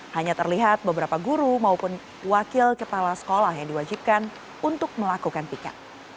hanya terlihat beberapa guru maupun wakil kepala sekolah yang diwajibkan untuk melakukan pika